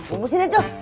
hubusin aja tuh